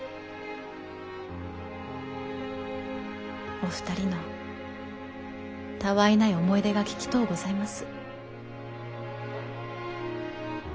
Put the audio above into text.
お二人のたわいない思い出が聞きとうございます。